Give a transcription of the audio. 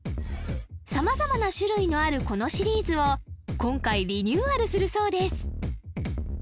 様々な種類のあるこのシリーズを今回リニューアルするそうです